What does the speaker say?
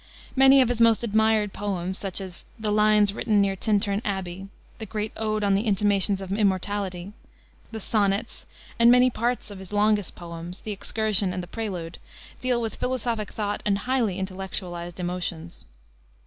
Many of his most admired poems, such as the Lines written near Tintern Abbey, the great Ode on the Intimations of Immortality, the Sonnets, and many parts of his longest poems, The Excursion and The Prelude, deal with philosophic thought and highly intellectualized emotions.